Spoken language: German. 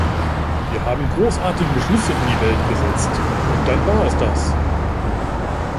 Wir haben großartige Beschlüsse in die Welt gesetzt, und dann war es das.